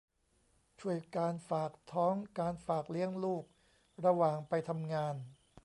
ช่วยการฝากท้อง การฝากเลี้ยงลูกระหว่างไปทำงาน